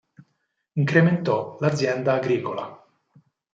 Incrementò l’azienda agricola.